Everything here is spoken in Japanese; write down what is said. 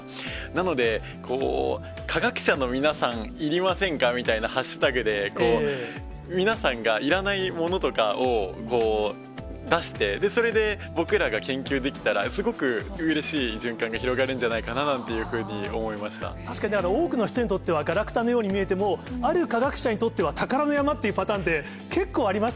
なので、化学者の皆さんいりませんかみたいなハッシュタグで、皆さんが、いらないものとかを出して、それで、僕らが研究できたら、すごくうれしい循環が広がるんじゃないかななんていうふうに思い確かに、多くの人にとっては、がらくたのように見えても、ある化学者にとっては、宝の山っていうパターンって、結構ありま